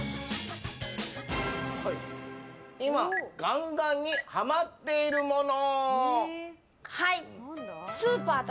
今、ガンガンにハマっているもの。